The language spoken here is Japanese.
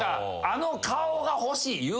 「あの顔が欲しい」